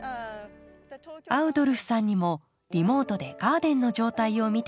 アウドルフさんにもリモートでガーデンの状態を見てもらいます。